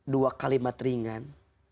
dua kalimat ringan